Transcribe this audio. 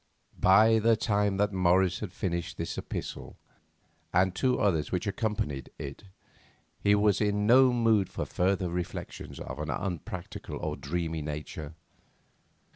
By the time that Morris had finished this epistle, and two others which accompanied it, he was in no mood for further reflections of an unpractical or dreamy nature.